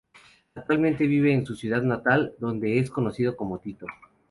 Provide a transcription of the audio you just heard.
Actualmente vive en su ciudad natal, donde es conocido como "Tito".